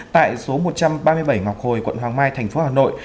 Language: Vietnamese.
tại số một trăm ba mươi bảy ngọc hồi quận hoàng mai thành phố hà nội